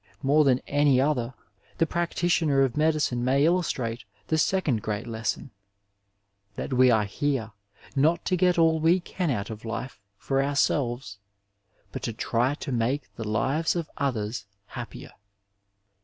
More than any other the practitioner of medicine may illustrate the second great lesscm, tiua we are here nottogetallwe can out of Kfe for our selvesy but to try to make the Uvea of others happier.